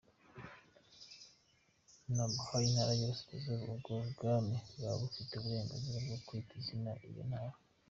Nabuha intara y’ iburasira, ubwo bwami bwaba bufite uburenganzira bwo kwita izina iyo ntara.